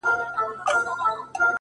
• چي پاڼه وشړېدل،